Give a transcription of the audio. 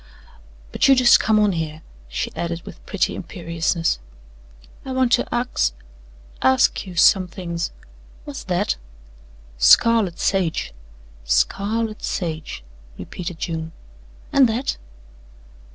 But you just come on here," she added with pretty imperiousness. "I want to axe ask you some things what's that?" "Scarlet sage." "Scarlet sage," repeated June. "An' that?"